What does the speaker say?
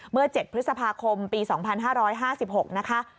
เมื่อ๗พฤษภาคมปี๒๕๕๖นะคะ